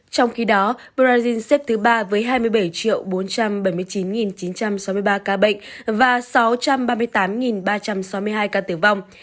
trong khi đó brazil xếp thứ ba với hai mươi bảy bốn trăm bảy mươi chín chín trăm sáu mươi ba ca bệnh và sáu trăm ba mươi tám ba trăm sáu mươi hai ca tử vong